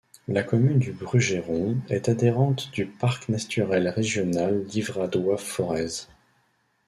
La commune du Brugeron est adhérente du parc naturel régional Livradois-Forez.